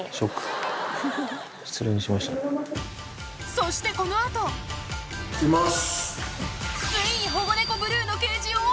そしてこの後開けます。